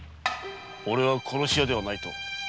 「おれは殺し屋ではない」と。